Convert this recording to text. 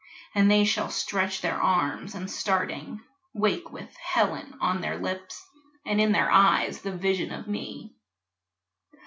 And they shall stretch their arms and starting, wake With "Helen!" on their lips, and in their eyes The vision of me.